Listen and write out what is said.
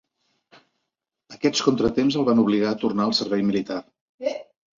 Aquests contratemps el van obligar a tornar al servei militar.